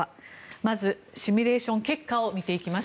まず、シミュレーション結果を見ていきます。